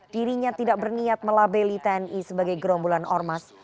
dirinya tidak berniat melabeli tni sebagai gerombolan ormas